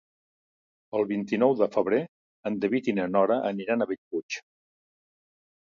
El vint-i-nou de febrer en David i na Nora aniran a Bellpuig.